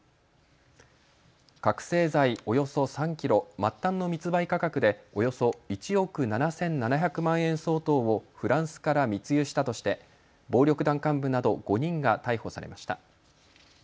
覚醒剤およそ３キロ、末端の密売価格でおよそ１億７７００万円相当をフランスから密輸したとして暴力団幹部など５人が逮捕されました。